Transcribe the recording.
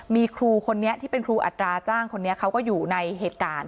มีครูคนนี้ที่เป็นครูอัตราจ้างคนนี้เขาก็อยู่ในเหตุการณ์